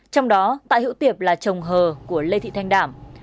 trong đó tạ hữu tiệp là chồng hờ của lê thị thanh đảm